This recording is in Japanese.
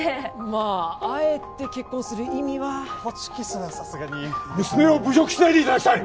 まああえて結婚する意味はホチキスはさすがに娘を侮辱しないでいただきたい！